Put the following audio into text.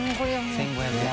１５００円。